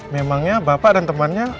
memangnya bapak dan temennya